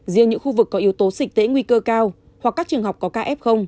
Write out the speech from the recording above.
riêng những khu vực có yếu tố sịch tễ nguy cơ cao hoặc các trường học có kf